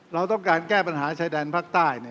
เราต้องการแก้ปัญหาชายแดนภาคใต้